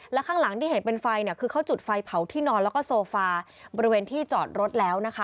และข้างหลังที่เห็นเป็นไฟเนี่ยคือเขาจุดไฟเผาที่นอนแล้วก็โซฟาบริเวณที่จอดรถแล้วนะคะ